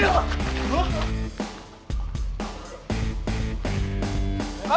eh eh eh kak kak kak kak